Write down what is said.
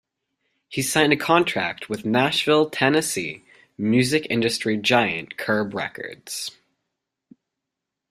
He signed a contract with Nashville, Tennessee, music industry giant Curb Records.